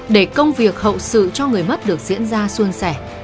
để công việc hậu sự cho người mất được diễn ra xuân sẻ